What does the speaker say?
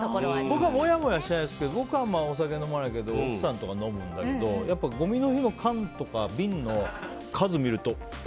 僕はモヤモヤしないですけど僕、あんまりお酒飲まないけど奥さんは飲むんだけどごみの日の缶とか瓶の数を見るとえ？